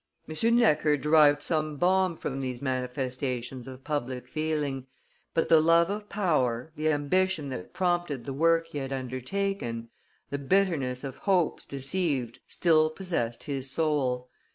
M. Necker derived some balm from these manifestations of public feeling, but the love of power, the ambition that prompted the work he had undertaken, the bitterness of hopes deceived still possessed his soul.